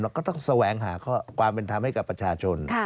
ก็ต้องแสวงหาความเป็นธรรมให้กับประชาชน